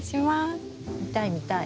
見たい見たい。